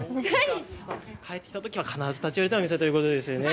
帰ってきたときは必ず立ち寄るということですね。